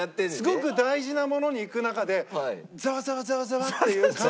すごく大事なものにいく中でザワザワザワザワっていう感じが。